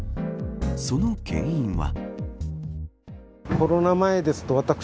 その原因は。